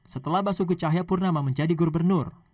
setelah basuki cahayapurnama menjadi gubernur